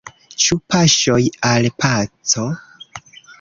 Ĉu paŝoj al paco?